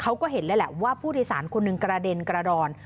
เขาก็เห็นเลยแหละว่าผู้โดยสารคนหนึ่งกระเด็นกระดอน